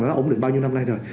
nó ổn định bao nhiêu năm nay rồi